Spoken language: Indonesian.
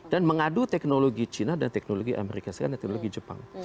dan mengadu teknologi cina dan teknologi amerika serikat dan teknologi jepang